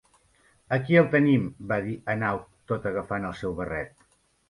"Aquí el tenim", va dir Hanaud, tot agafant el seu barret.